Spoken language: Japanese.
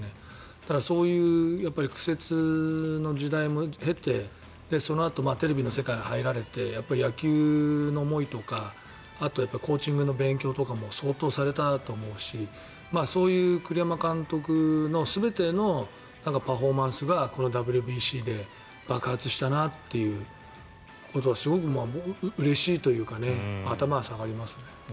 だからそういう苦節の時代も経てそのあとテレビの世界に入られて野球の思いとかあとはコーチングの勉強とかも相当されたと思うしそういう栗山監督の全てのパフォーマンスがこのＷＢＣで爆発したなということをすごく、うれしいというかね頭が下がりますね。